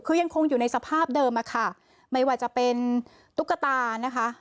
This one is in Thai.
คือยังคงอยู่ในสภาพเดิมอะค่ะไม่ว่าจะเป็นตุ๊กตานะคะ